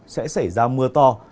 sẽ xảy ra mưa to